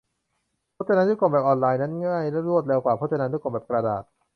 พจนานุกรมแบบออนไลน์นั้นง่ายและรวดเร็วกว่าพจนานุกรมแบบกระดาษ